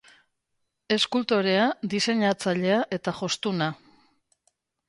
Eskultorea, diseinatzailea eta jostuna.